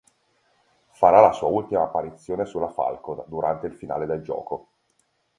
Farà la sua ultima apparizione sulla "Falcon", durante il finale del gioco.